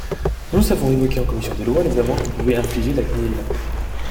Nous avons évoqué en commission des lois les amendes que pouvait infliger la CNIL.